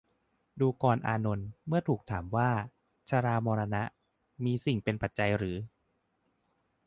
ดูกรอานนท์ เมื่อเธอถูกถามว่า ชรามรณะ มีสิ่งเป็นปัจจัยหรือ